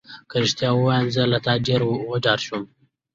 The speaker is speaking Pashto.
که رښتیا ووایم زه له تا ډېره وډاره شوم.